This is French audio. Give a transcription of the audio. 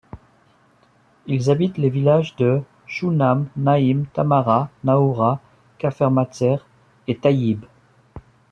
Ils habitent les villages de Shounam, Naïm, Tamara, Naoura, Kafr-Matzer et Tayibe.